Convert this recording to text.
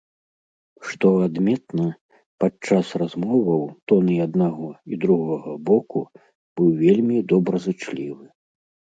Што адметна, падчас размоваў тон і аднаго, і другога боку быў вельмі добразычлівы.